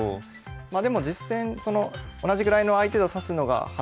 まあでも実戦その同じぐらいの相手と指すのが８ぐらいの割合ですかね。